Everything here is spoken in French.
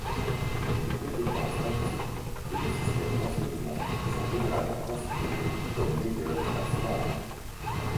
Les compétences linguistiques et le système d'enseignement sont généralement considérés comme meilleurs en Flandre.